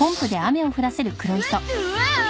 うわ！